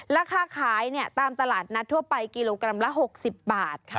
ราคาขายตามตลาดนัดทั่วไปกิโลกรัมละ๖๐บาท